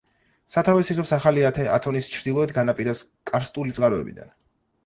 სათავეს იღებს ახალი ათონის ჩრდილოეთ განაპირას კარსტული წყაროებიდან.